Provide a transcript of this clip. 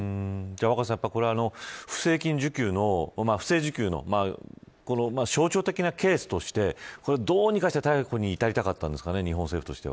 若狭さん、不正受給の象徴的なケースとしてどうにかして逮捕に至りたかったんですかね